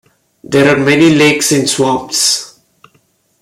There are many lakes and swamps.